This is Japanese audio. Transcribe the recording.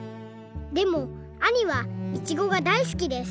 でもあにはいちごがだいすきです。